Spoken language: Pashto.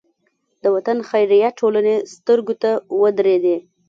د وطن خیریه ټولنې سترګو ته ودرېدې.